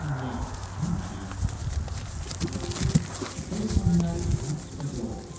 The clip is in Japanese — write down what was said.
トルコにあるサーキット場。